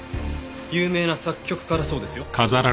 有名な作曲家だそうですよ。